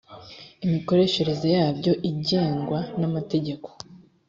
imikoreshereze yabyo igengwa n amategeko